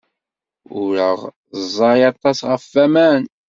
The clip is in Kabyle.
Ureɣ ẓẓay aṭas ɣef waman.